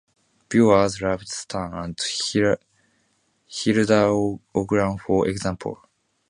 Viewers loved Stan and Hilda Ogden for example.